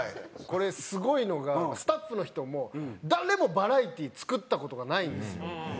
これすごいのがスタッフの人も誰もバラエティー作った事がないんですよ。